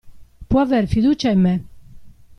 Può aver fiducia in me.